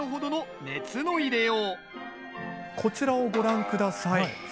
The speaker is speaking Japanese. こちらをご覧下さい。